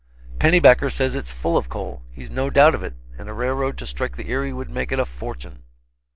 "Pennybacker says it's full of coal, he's no doubt of it, and a railroad to strike the Erie would make it a fortune."